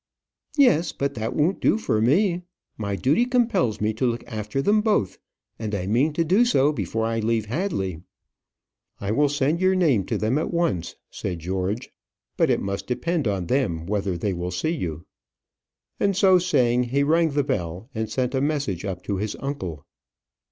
"Yes; but that won't do for me. My duty compels me to look after them both, and I mean to do so before I leave Hadley." "I will send your name to them at once," said George; "but it must depend on them whether they will see you." And so saying, he rang the bell, and sent a message up to his uncle.